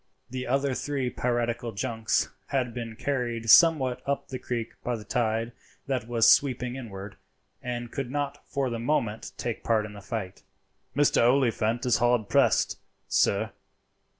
The other three piratical junks had been carried somewhat up the creek by the tide that was sweeping inward, and could not for the moment take part in the fight. "Mr. Oliphant is hard pressed, sir."